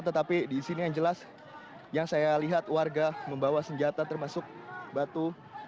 tetapi di sini yang jelas yang saya lihat warga membawa senjata termasuk batu